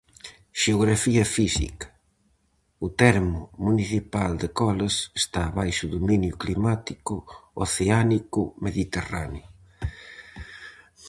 Xeografía física. O termo municipal de Coles está baixo o dominio climático oceánico-mediterráneo.